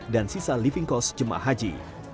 dan sisa living cost jemaah haji